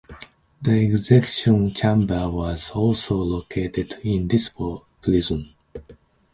The execution chamber was also located in this prison.